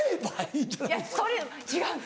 いやそれ違う！